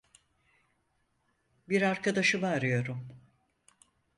Bir arkadaşımı arıyorum.